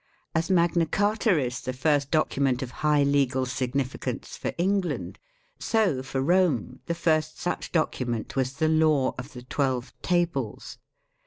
As Magna Carta is the first document of high legal significance for England, so for Rome the first such document was the Law of the Twelve Tables.